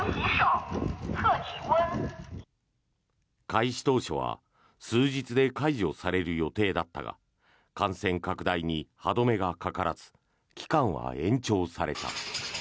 開始当初は数日で解除される予定だったが感染拡大に歯止めがかからず期間は延長された。